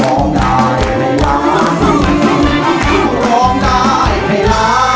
ร้องได้ทั้งคู่ครับ